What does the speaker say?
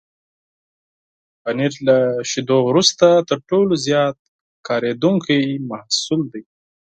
پنېر له شيدو وروسته تر ټولو زیات کارېدونکی محصول دی.